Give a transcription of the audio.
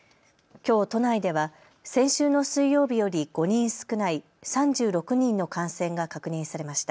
きょう都内では先週の水曜日より５人少ない３６人の感染が確認されました。